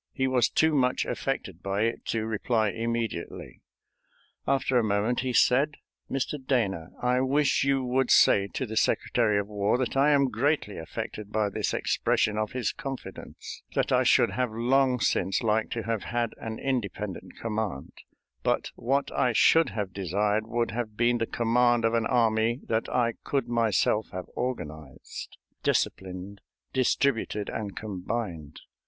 He was too much affected by it to reply immediately. After a moment he said: "Mr. Dana, I wish you would say to the Secretary of War that I am greatly affected by this expression of his confidence; that I should have long since liked to have had an independent command, but what I should have desired would have been the command of an army that I could myself have organized, disciplined, distributed, and combined.